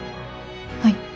はい。